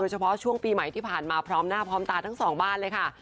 เฉพาะช่วงปีใหม่ที่ผ่านมาพร้อมหน้าพร้อมตาทั้งสองบ้านเลยค่ะ